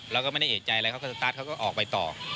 เราก็ไม่ได้เอกใจอะไรเขาก็สตาร์ทเขาก็ออกไปต่อ